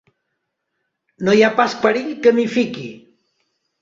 No hi ha pas perill que m'hi fiqui!